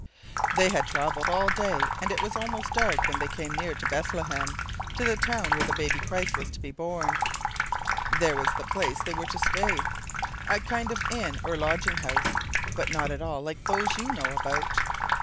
They had traveled all day, and it was almost dark when they came near to Bethlehem, to the town where the baby Christ was to be born. There was the place they were to stay,—a kind of inn, or lodging house, but not at all like those you know about.